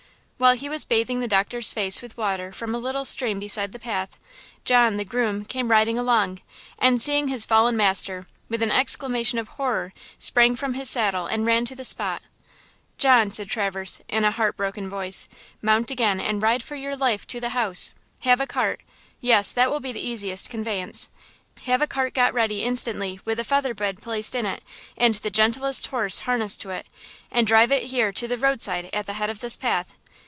While he was bathing the doctor's face with water from a little stream beside the path, John, the groom, came riding along, and seeing his fallen master, with an exclamation of horror, sprang from his saddle and ran to the spot. "John," said Traverse, in a heart broken tone, "mount again and ride for your life to the house! Have–a cart–yes–that will be the easiest conveyance–have a cart got ready instantly with a feather bed placed in it, and the gentlest horse harnessed to it, and drive it here to the roadside at the head of this path!